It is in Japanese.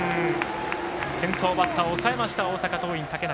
先頭バッターを抑えました大阪桐蔭、竹中。